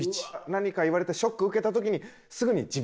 何か言われてショック受けた時にすぐに「自美知」ってこう。